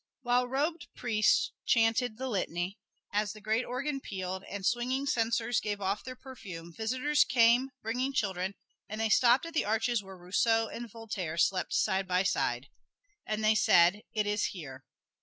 While robed priests chanted the litany, as the great organ pealed, and swinging censers gave off their perfume, visitors came, bringing children, and they stopped at the arches where Rousseau and Voltaire slept side by side, and they said, "It is here."